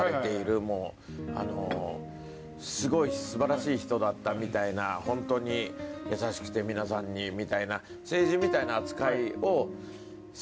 すごい素晴らしい人だったみたいなホントに優しくて皆さんにみたいな。